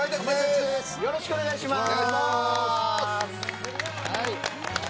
よろしくお願いします。